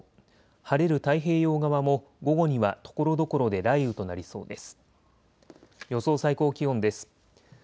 晴れる太平洋側も午後にはところどころで雷雨となりそうです。